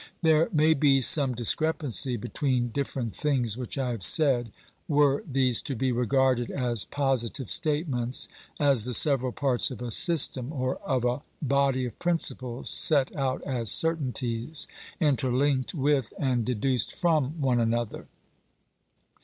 There may be some discrepancy between different things which I have said, were these to be regarded as positive statements, as the several parts of a system, or of a body of principles set out as certainties, interlinked with and deduced from one another.